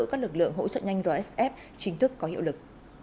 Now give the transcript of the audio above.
các lực lượng hỗ trợ nhanh rsf chính thức có hiệu lực